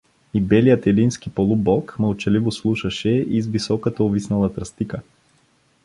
И белият елински полубог мълчаливо слушаше из високата увиснала тръстика.